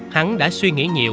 hắn đã suy nghĩ nhiều